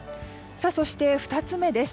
そして、２つ目です。